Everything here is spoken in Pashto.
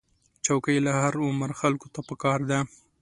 چوکۍ له هر عمر خلکو ته پکار ده.